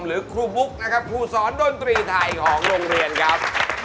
หรือครูบุ๊กนะครับครูสอนดนตรีไทยของโรงเรียนครับ